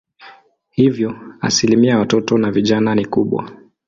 Hivyo asilimia ya watoto na vijana ni kubwa.